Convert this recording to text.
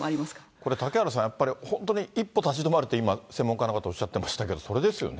これ、嵩原さん、本当に一歩立ち止まるって、専門家の方おっしゃってましたけど、それですよね。